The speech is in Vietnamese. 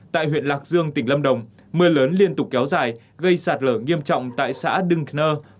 tại huyện lạc dương tỉnh lâm đồng mưa lớn liên tục kéo dài gây sạt lở nghiêm trọng tại xã đưng nơ